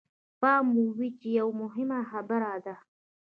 پام مو وي چې يوه مهمه خبره ده.